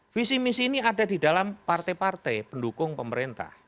visi misi ini ada di dalam partai partai pendukung pemerintah